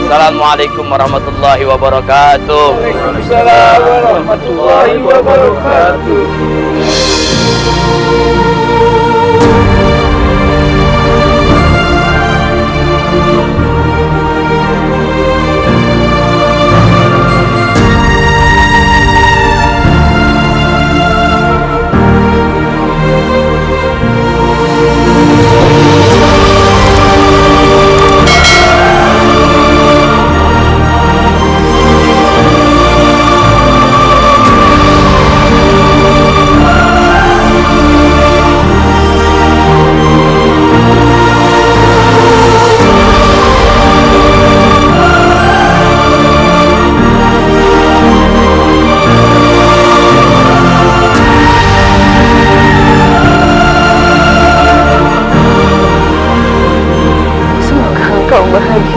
assalamualaikum warahmatullahi wabarakatuh